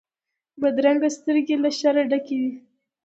بدرنګه سترګې له شره ډکې وي